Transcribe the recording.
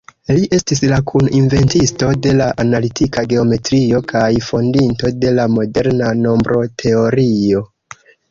Li estis la kun-inventisto de la analitika geometrio kaj fondinto de la moderna nombroteorio.